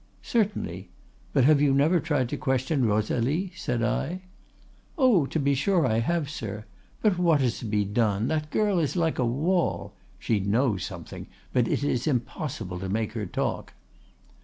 "'Certainly.—But have you never tried to question Rosalie?' said I. "'Oh, to be sure I have, sir. But what is to be done? That girl is like a wall. She knows something, but it is impossible to make her talk.